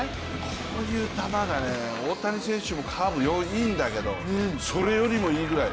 こういう球が大谷投手もカーブいいんだけど、それよりもいいぐらい。